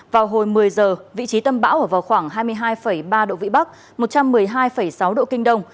vào hồi một mươi giờ vị trí tâm bão ở vào khoảng hai mươi hai ba độ vĩ bắc một trăm một mươi hai sáu độ kinh đông